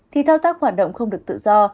thì thao tác hoạt động không được tự do